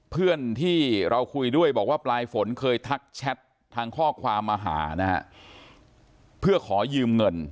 เพื่อนที่เราคุยด้วยบอกว่าปลายฝนเคยทักแชททางข้อความมาหานะฮะเพื่อขอยืมเงิน